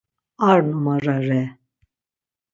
Ar numara re.